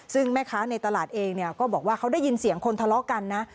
ซึ่งแม่ค้าในตลาดเองเนี่ยก็บอกว่าเขาได้ยินเสียงคนทะเลาะกันนะ